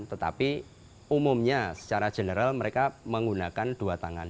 tetapi umumnya secara general mereka menggunakan dua tangan